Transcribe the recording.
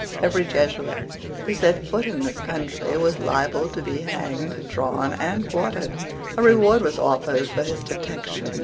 Every Jesuit who set foot in this country was liable to be hanged, drawn, and quartered. A reward was offered for his detection.